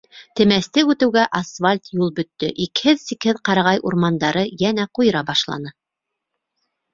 Темәсте үтеүгә асфальт юл бөттө, икһеҙ-сикһеҙ ҡарағай урмандары йәнә ҡуйыра башланы.